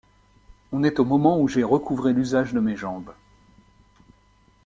On est au moment où j'ai recouvré l'usage de mes jambes.